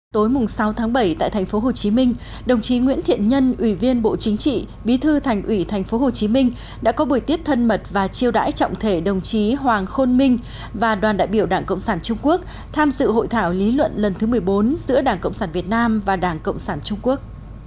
tối sáu tháng bảy tại tp hcm đồng chí nguyễn thiện nhân ủy viên bộ chính trị bí thư thành ủy tp hcm đã có buổi tiết thân mật và chiêu đãi trọng thể đồng chí hoàng khôn minh và đoàn đại biểu đảng cộng sản trung quốc tham dự hội thảo lý luận lần thứ một mươi bốn giữa đảng cộng sản việt nam và đảng cộng sản trung quốc